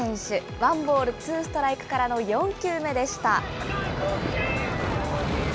ワンボール、ツーストライクからの４球目でした。